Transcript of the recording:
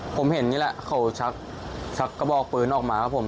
ผมเห็นนี่แหละเขาชักชักกระบอกปืนออกมาครับผม